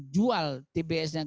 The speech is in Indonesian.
jadi banyak dayanya